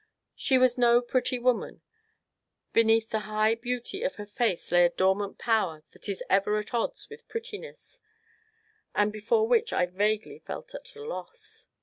She was no pretty woman; beneath the high beauty of her face lay a dormant power that is ever at odds with prettiness, and before which I felt vaguely at a loss.